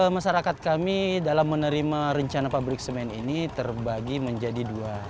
masyarakat kami dalam menerima rencana pabrik semen ini terbagi menjadi dua